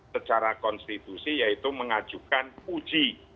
secara konstitusi yaitu mengajukan uji